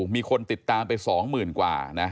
มีคนติดตามไป๒หมื่นกว่านะ